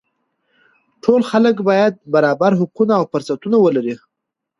ټول خلک باید برابر حقونه او فرصتونه ولري